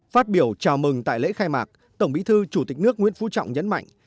phát biểu chào mừng tại lễ khai mạc tổng bí thư chủ tịch nước nguyễn phú trọng nhấn mạnh